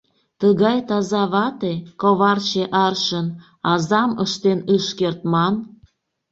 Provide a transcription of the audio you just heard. Тыгай таза вате, коварче аршын — азам ыштен ыш керт, ман.